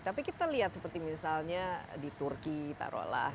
tapi kita lihat seperti misalnya di turki taruhlah